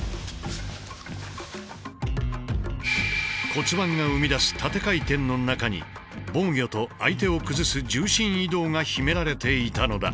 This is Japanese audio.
骨盤が生み出す縦回転の中に防御と相手を崩す重心移動が秘められていたのだ。